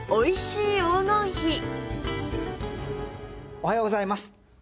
おはようございます。